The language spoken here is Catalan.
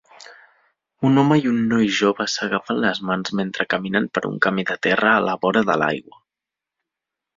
Un home i un noi jove s'agafen les mans mentre caminen per un camí de terra a la vora de l'aigua